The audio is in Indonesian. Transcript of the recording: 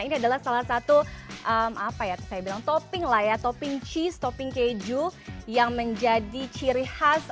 ini adalah salah satu apa ya saya bilang topping lah ya topping cheese topping keju yang menjadi ciri khas